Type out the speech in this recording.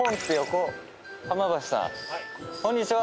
こんにちは。